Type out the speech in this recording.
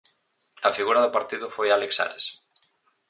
A figura do partido foi Álex Ares.